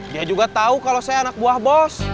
dia juga tahu kalau saya anak buah bos